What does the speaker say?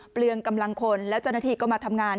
เปลืองกำลังคนแล้วเจ้าหน้าที่ก็มาทำงาน